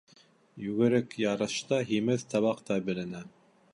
Йүгерек ярышта, һимеҙ табаҡта беленә.